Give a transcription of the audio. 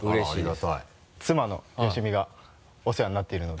妻の芳美がお世話になっているので。